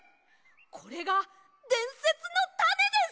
これがでんせつのタネです！